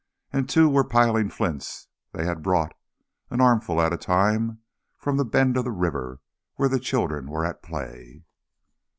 And two were piling flints that they brought, an armful at a time, from the bend of the river where the children were at play.